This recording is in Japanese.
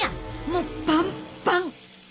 もうパンパンッ！